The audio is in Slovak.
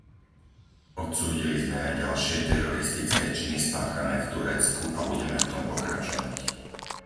Odsúdili sme aj ďalšie teroristické činy spáchané v Turecku a budeme v tom pokračovať.